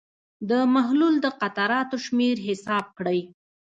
د محلول د قطراتو شمېر حساب کړئ.